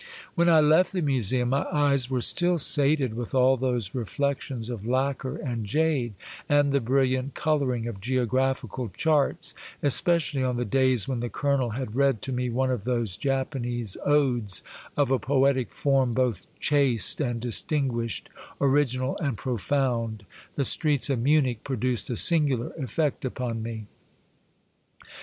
When I left the museum my eyes were still sated with all those reflections of lacquer and jade, and the brilliant coloring of geographical charts, especially on the days when the colonel had read to me one of those Japanese odes, of a poetic form both chaste and distinguished, original and pro found, the streets of Munich produced a singular effect upon me.